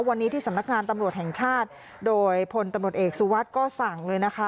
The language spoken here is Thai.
วันนี้ที่สำนักงานตำรวจแห่งชาติโดยพลตำรวจเอกสุวัสดิ์ก็สั่งเลยนะคะ